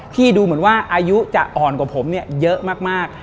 ที่ดูเหมือนว่าอายุจะอ่อนกว่าผมเยอะมาก